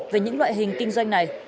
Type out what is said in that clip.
về những loại hình kinh doanh này